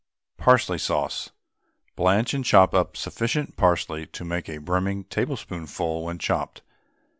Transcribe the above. PARSLEY SAUCE. Blanch and chop up sufficient parsley to make a brimming tablespoonful when chopped.